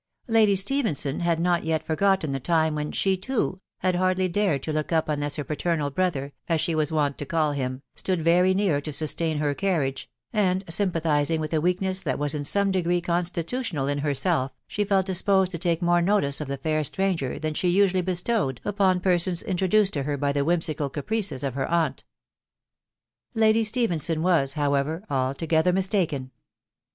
Lady Stephenson had not yet for gotten the time when she, too, had hardly dared to look up unless her paternal brother, as she was wont to call him, stood very near to sustain her carriage, and sympathising with a weakness that was in some degree constitutional in herself, she felt disposed to take more notice of the fair stranger than she usually bestowed upon persons introduced to her by the whimsical caprices of her aunt. Lady Stephenson was, however, altogether mistaken.